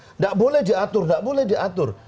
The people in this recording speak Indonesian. tidak boleh diatur tidak boleh diatur